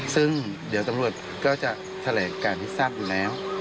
ซึ่งเดี๋ยวตำรวจก็จะแถลงการให้ทราบอยู่แล้ว